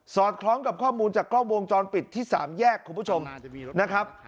อดคล้องกับข้อมูลจากกล้องวงจรปิดที่สามแยกคุณผู้ชมนะครับ